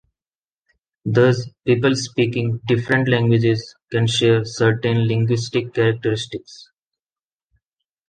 Thus people speaking different languages can share certain linguistic characteristics.